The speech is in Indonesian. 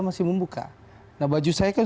masih membuka nah baju saya kan